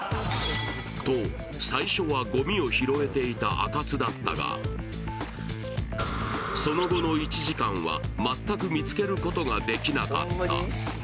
最初はごみを拾えていたあかつだったが、その後の１時間は全く見つけることができなかった。